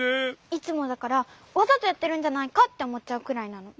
いつもだからわざとやってるんじゃないかっておもっちゃうくらいなの。